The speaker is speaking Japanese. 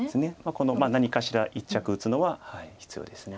この何かしら一着打つのは必要です。